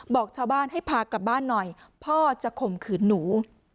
บอกชาวบ้านให้พากลับบ้านหน่อยพ่อจะข่มขืนหนู